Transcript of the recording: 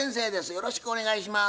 よろしくお願いします。